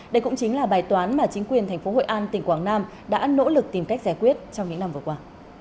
đây cũng chính là bài toán mà chính quyền thành phố hội an tỉnh quảng nam đã nỗ lực tìm cách giải quyết trong những năm vừa qua